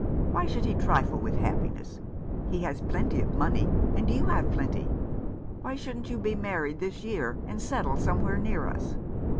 Why should he trifle with happiness ? He has plenty of money, and you have plenty. Why shouldn't you be married this year, and settle somewhere near us